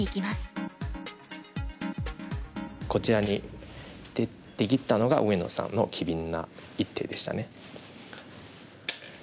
こちらに出切ったのが上野さんの機敏な一手でしたね。